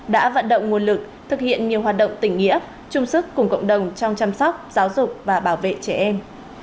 đã vận động nguồn lực thực hiện nhiều hoạt động tỉnh nghĩa chung sức cùng cộng đồng trong chăm sóc giáo dục và bảo vệ trẻ em